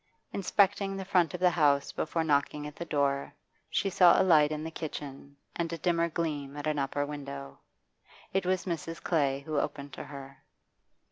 Inspecting the front of the house before knocking at the door, she saw a light in the kitchen and a dimmer gleam at an upper window. It was Mrs. Clay who opened to her.